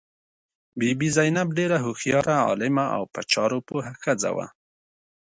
بي بي زینب ډېره هوښیاره، عالمه او په چارو پوه ښځه وه.